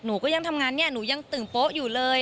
หนูก็ยังทำงานเนี่ยหนูยังตื่นโป๊ะอยู่เลย